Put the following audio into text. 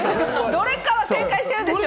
どれかは正解してるでしょう。